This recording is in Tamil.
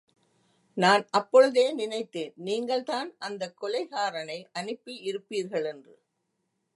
நான் அப்பொழுதே நினைத்தேன், நீங்கள் தான் அந்தக் கொலைகாரனை அனுப்பியிருப்பீர்களென்று!